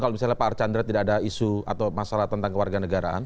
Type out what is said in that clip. kalau misalnya pak archandra tidak ada isu atau masalah tentang kewarganegaraan